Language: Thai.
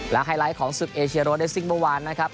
และไฮไลท์ของศึกเอเชียโรเดสซิกเมื่อวานนะครับ